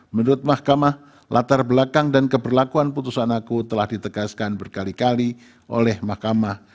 menurut mahkamah latar belakang dan keberlakuan putusan aku telah ditegaskan berkali kali oleh mahkamah